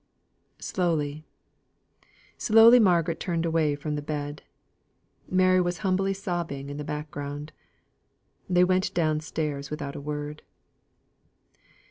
Slowly, slowly Margaret turned away from the bed. Mary was humbly sobbing in the back ground. They went downstairs without a word.